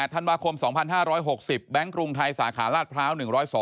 ธันวาคม๒๕๖๐แบงค์กรุงไทยสาขาราชพร้าว๑๐๒